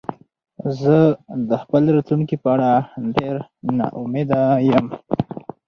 زه د خپل راتلونکې په اړه ډېره نا امیده یم